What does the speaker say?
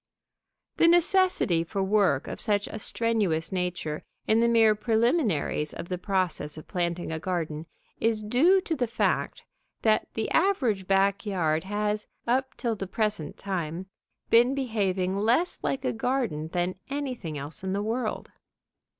The necessity for work of such a strenuous nature in the mere preliminaries of the process of planting a garden is due to the fact that the average back yard has, up till the present time, been behaving less like a garden than anything else in the world.